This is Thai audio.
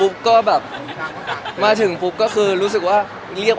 แล้วถ่ายละครมันก็๘๙เดือนอะไรอย่างนี้